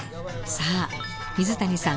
さあ水谷さん